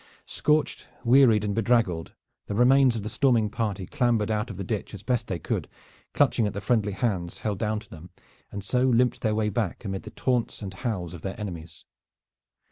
Scorched, wearied and bedraggled, the remains of the storming party clambered out of the ditch as best they could, clutching at the friendly hands held down to them, and so limped their way back amid the taunts and howls of their enemies.